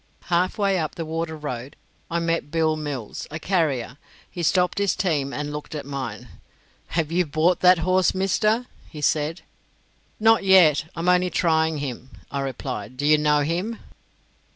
Halfway up the Water Road I met Bill Mills, a carrier. He stopped his team and looked at mine. "Have you bought that horse, Mister?" he said. "Not yet; I am only trying him," I replied. "Do you know him?"